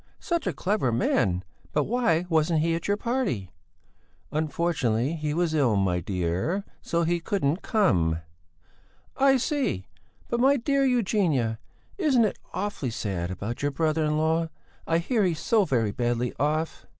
Such a clever man! But why wasn't he at your party?" "Unfortunately he was ill, my dear; so he couldn't come." "I see! But, my dear Eugenia, isn't it awfully sad about your brother in law? I hear he's so very badly off."